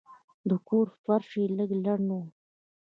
د کور فرش یې لږ لند و.